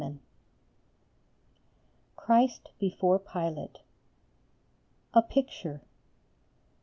I $5 CHRIST BEFORE PILATE. A PICTURE.